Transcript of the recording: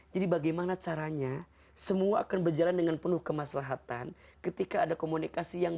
jadi bagaimana caranya semua akan berjalan dengan penuh kemaslahatan ketika ada komunikasi yang